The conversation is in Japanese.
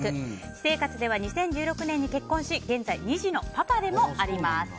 私生活では２０１６年に結婚し現在、２児のパパでもあります。